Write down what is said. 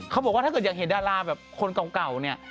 เขาบอกว่าถ้าเกิดอยากเห็นดาราแบบคนเก่าเนี่ย